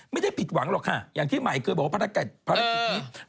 ไม่ได้ผิดหวังหรอกค่ะอย่างที่ใหม่เคยบอกว่าภารกิจนี้